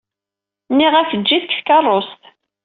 Nniɣ-ak eǧǧ-it deg tkeṛṛust.